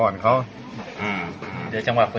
นี่อ๋อนี่ใช่ไหม